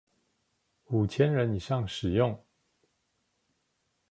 五千人以上使用